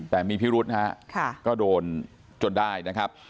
แต่มีพิรุษนะฮะก็โดนจนได้นะครับ